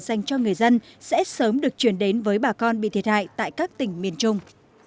dành cho người dân sẽ sớm được chuyển đến với bà con bị thiệt hại tại các tỉnh miền trung